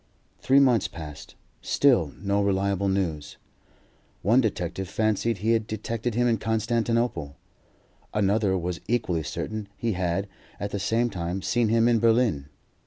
Three months passed. Still no reliable news. One detective fancied he had detected him in Constantinople; another was equally certain he had, at the same time, seen him in Berlin.